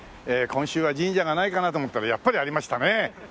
今週は神社がないかなと思ったらやっぱりありましたね！